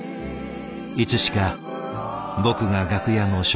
いつしか僕が楽屋の食料係と。